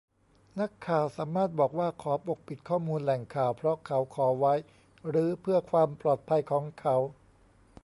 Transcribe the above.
นักข่าวสามารถบอกว่า ขอปกปิดข้อมูลแหล่งข่าว เพราะเขาขอไว้หรือเพื่อความปลอดภัยของเขา